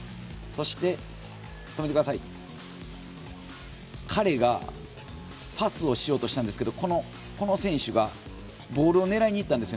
スコットランドの選手がパスをしようとしたんですがこの選手がボールを狙いにいったんです。